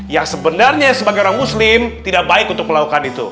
yang sebenarnya sebagai orang muslim tidak baik untuk melakukan itu